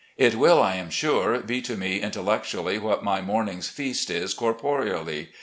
It will, I am sure, be to me intellectually what my morning's feast is corporeally.